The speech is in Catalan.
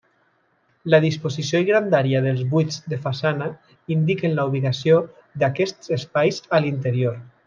La disposició i grandària dels buits de façana indiquen la ubicació d'aquests espais a l'interior.